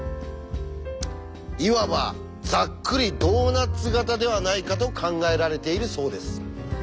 いわばざっくりドーナツ型ではないかと考えられているそうです。